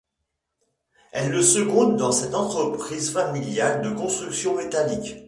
Elle le seconde dans cette entreprise familiale de construction métallique.